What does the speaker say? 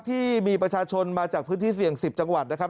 ที่มีประชาชนมาจากพื้นที่เสี่ยง๑๐จังหวัดนะครับ